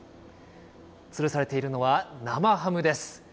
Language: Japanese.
つるされているのは生ハムです。